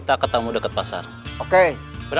tapi kami mencari termalikan receiving area